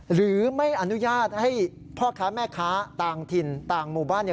หรือไม่อนุญาตให้พ่อค้าแม่ค้าต่างถิ่นต่างหมู่บ้านเนี่ย